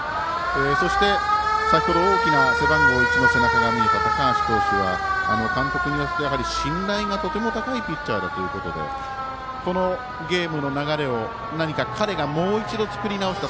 そして、先ほど大きな背番号１の背中が見えた高橋投手は監督によると信頼が、とても高いピッチャーだということでこのゲームの流れを彼がもう一度作り直した。